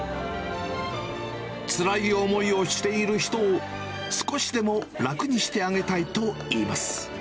つらい思いをしている人を少しでも楽にしてあげたいといいます。